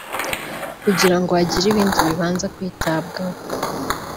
kugira ngo hagire ibindi bibanza kwitabwaho